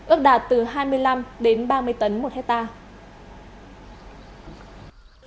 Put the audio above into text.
ước đạt từ hai mươi năm đến ba mươi tấn một hectare